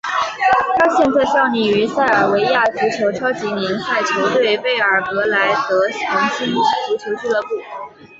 他现在效力于塞尔维亚足球超级联赛球队贝尔格莱德红星足球俱乐部。